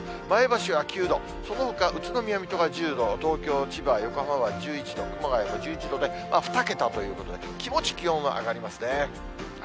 前橋は９度、そのほか、宇都宮、水戸が１０度、東京、千葉、横浜は１１度、熊谷も１１度で、２桁ということで、気持ち気温は上がりますね。